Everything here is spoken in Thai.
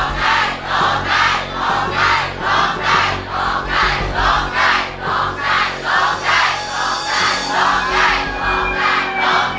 ร้องได้ร้องได้ร้องได้